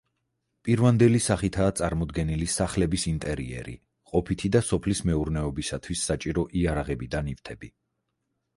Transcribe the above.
პირვანდელი სახითაა წარმოდგენილი სახლების ინტერიერი, ყოფითი და სოფლის მეურნეობისათვის საჭირო იარაღები და ნივთები.